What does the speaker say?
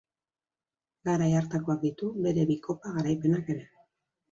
Garai hartakoak ditu bere bi kopa garaipenak ere.